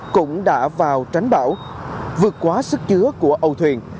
cũng đã vào tránh bão vượt quá sức chứa của âu thuyền